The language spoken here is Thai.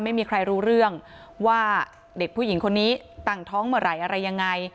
ไม่มีใครรู้เรื่องว่าเด็กผู้หญิงคนนี้ตั้งท้องเมื่อไหร่อะไรยังไง